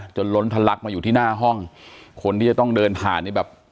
ล้นทะลักมาอยู่ที่หน้าห้องคนที่จะต้องเดินผ่านนี่แบบ